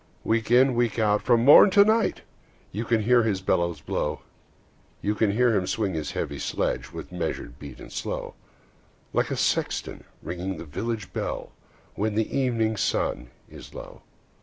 Week in, week out, from morn till night, You can hear his bellows blow; You can hear him swing his heavy sledge, With measured beat and slow, Like a sexton ringing the village bell, When the evening sun is low.